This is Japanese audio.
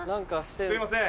すいません